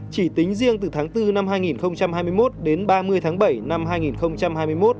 chỉ tính riêng từ tháng bốn năm hai nghìn hai mươi một đến ba mươi tháng bảy năm hai nghìn hai mươi một